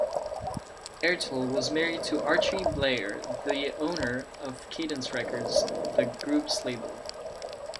Ertel was married to Archie Bleyer, the owner of Cadence Records, the group's label.